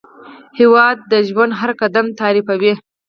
هېواد د ژوند هر قدم تعریفوي.